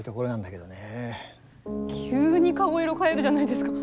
急に顔色変えるじゃないですか。